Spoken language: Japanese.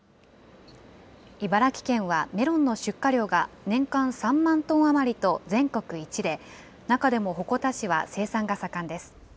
茨城県はメロンの出荷量が年間３万トン余りと全国一で、中でも鉾田市は生産が盛んです。